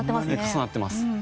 重なってます。